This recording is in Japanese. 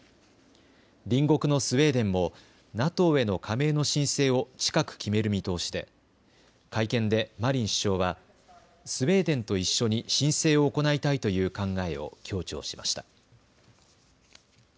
隣国のスウェーデンもＮＡＴＯへの加盟の申請を近く決める見通しで会見でマリン首相はスウェーデンと一緒に申請を行いたいという考えを強調しました。